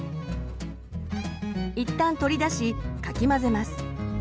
いったん取り出しかき混ぜます。